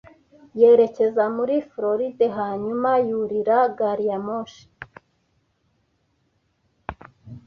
yerekeza muri Floride hanyuma yurira gari ya moshi